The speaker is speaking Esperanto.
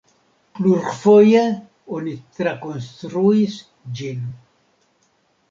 Plurfoje oni trakonstruis ĝin.